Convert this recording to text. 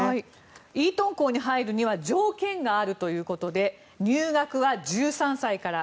イートン校に入るには条件があるということで入学は１３歳から。